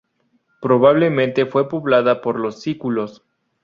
Probablemente fue poblada por los sículos.